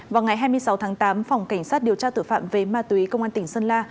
vào ngày hai mươi sáu tháng tám phòng cảnh sát điều tra tội phạm về ma túy công an tỉnh sơn la